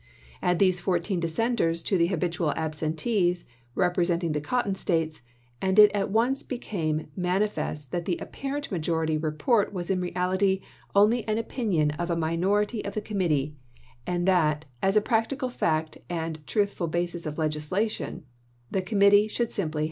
Add these fourteen dissenters to the habitual absentees, rep resenting the Cotton States, and it at once became manifest that the apparent majority report was in reality only an opinion of a minority of the Committee, and that, as a practical fact and truth ful basis of legislation, the Committee should simply 218 ABRAHAM LINCOLN chap. xiv.